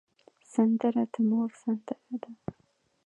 سندره د مور سندره ده